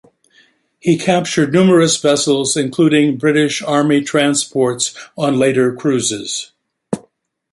He captured numerous vessels including British army transports on later cruises.